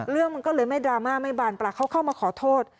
เรื่องมันก็เลยไม่ดราม่าไม่บานปลาเขาเข้ามาขอโทษ